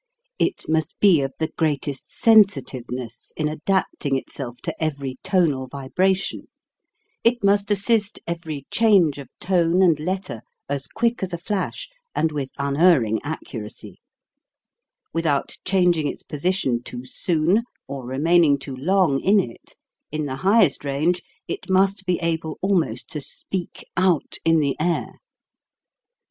It must be of the greatest sensitiveness in adapting itself to every tonal vibration, it must assist every change of tone and letter as quick as a flash and with unerring accuracy ; without changing its position too soon or remaining too long in it, in the highest range it must be able almost to speak out in the air.